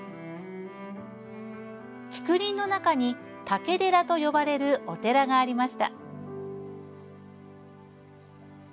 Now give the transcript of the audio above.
竹林の中に竹寺と呼ばれるお寺がありました。